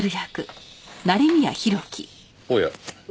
おや。